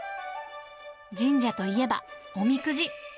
神社といえばおみくじ。